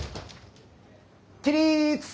起立！